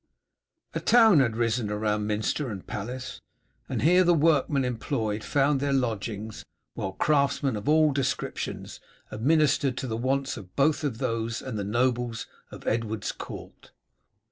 A town had risen around minster and palace, and here the workmen employed found their lodgings, while craftsmen of all descriptions administered to the wants both of these and of the nobles of Edward's court.